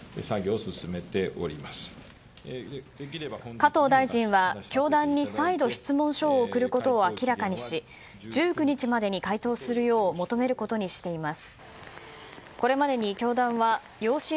加藤大臣は教団に再度質問書を送ることを明らかにし１９日までに回答するよう求めることにしています。